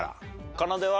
かなでは？